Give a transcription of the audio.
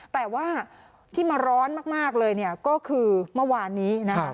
แต่ว่าที่มาร้อนมากเลยเนี่ยก็คือเมื่อวานนี้นะครับ